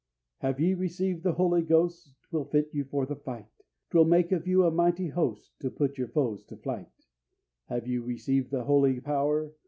"Have you received the Holy Ghost? 'Twill fit you for the fight, 'Twill make of you a mighty host, To put your foes to flight. "Have you received the Holy Power?